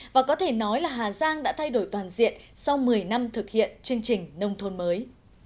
và có thể nói là hà giang đã thay đổi toàn diện sau một mươi năm thực hiện chương trình nông thôn mới